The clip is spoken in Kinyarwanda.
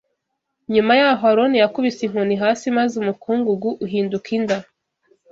Nyuma y’aho Aroni yakubise inkoni hasi maze umukungugu uhinduka inda